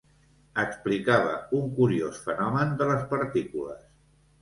Explicava un curiós fenomen de les partícules.